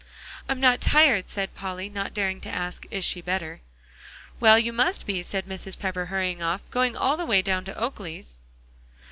"I'm not tired," said Polly, not daring to ask "Is she better?" "Well, you must be," said Mrs. Pepper, hurrying off, "going all the way down to Oakley's."